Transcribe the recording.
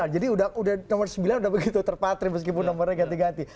jadi nomor sembilan sudah begitu terpatri meskipun nomornya ganti ganti